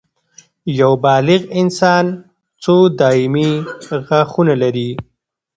یو بالغ انسان څو دایمي غاښونه لري